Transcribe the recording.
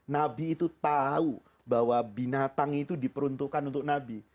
nabi itu tahu bahwa binatang itu diperuntukkan untuk nabi